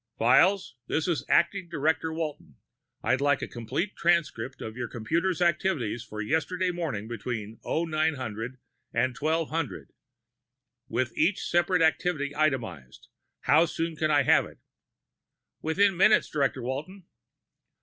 "Files, this is Acting Director Walton. I'd like a complete transcript of your computer's activities for yesterday morning between 0900 and 1200, with each separate activity itemized. How soon can I have it?" "Within minutes, Director Walton."